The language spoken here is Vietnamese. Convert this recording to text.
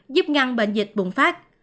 giúp ngăn bệnh dịch bùng phát